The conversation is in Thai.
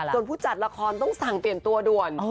ผู้จัดละครต้องสั่งเปลี่ยนตัวด่วน